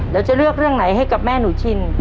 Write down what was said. แล้วจะเลือกเรื่องไหนให้กับแม่หนูชิน